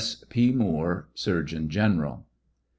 S. P. MOORE, Surgeon General.